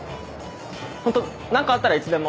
ホント何かあったらいつでも。